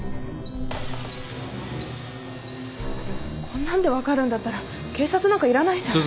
こんなんで分かるんだったら警察なんかいらないじゃない。